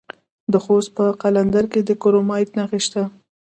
د خوست په قلندر کې د کرومایټ نښې شته.